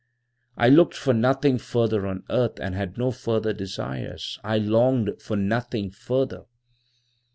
I looked for nothing further on earth, and had no further desires. I longed for nothing further.